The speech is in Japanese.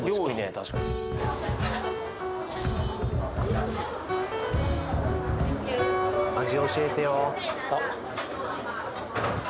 確かに味教えてよあっ